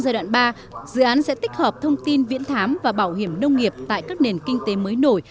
dự án sẽ tích hợp thông tin viễn thám và bảo hiểm nông nghiệp tại các nền kinh tế mới nổi